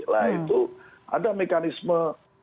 lah itu ada mekanisme